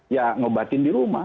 ya ngobatin di rumah